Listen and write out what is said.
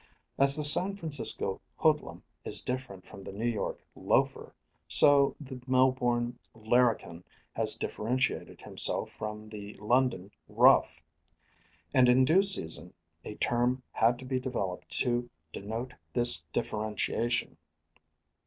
As the San Francisco hoodlum is different from the New York loafer, so the Melbourne larrikin has differentiated himself from the London rough, and in due season a term had to be developed to denote this differentiation.